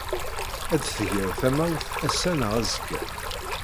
Ad d-tger tamawt ass-a neɣ azekka.